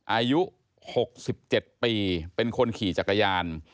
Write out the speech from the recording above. อายุหกสิบเจ็ดปีเป็นคนขี่จักรยาน